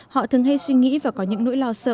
họ thường hay suy nghĩ và có những nỗi lo sợ